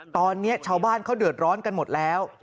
ตอนนี้ชาวบ้านเขาเดือดร้อนกันหมดแล้ว